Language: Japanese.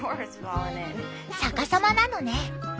逆さまなのね。